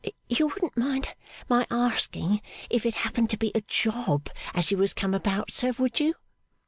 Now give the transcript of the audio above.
'You wouldn't mind my asking if it happened to be a job as you was come about, sir, would you?